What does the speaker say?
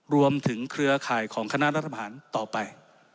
รวมถึงเครือข่ายของคณะรัฐบาลต่อไป